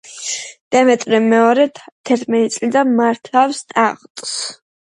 მიუთითებს თეთრ ფერთან დამოკიდებულებას.